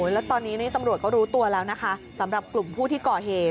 แล้วตอนนี้ตำรวจก็รู้ตัวแล้วนะคะสำหรับกลุ่มผู้ที่ก่อเหตุ